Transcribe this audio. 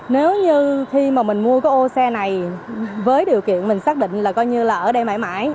nếu như khi mà mình mua cái ô xe này với điều kiện mình xác định là coi như là ở đây mãi mãi